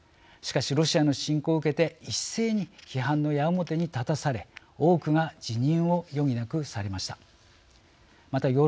しかしロシアの侵攻を受けていっせいに批判の矢面に立たされ多くが辞任を余儀なくされました。